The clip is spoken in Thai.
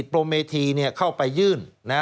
สวัสดีค่ะต้อนรับคุณบุษฎี